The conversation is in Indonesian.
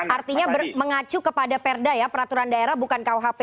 artinya mengacu kepada perda ya peraturan daerah bukan kuhp